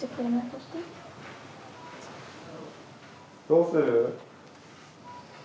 どうする？